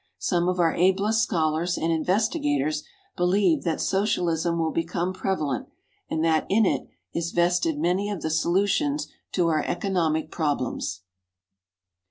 Some of our ablest scholars and investigators believe that Socialism will become prevalent, and that in it is vested many of the solutions to our economic problems.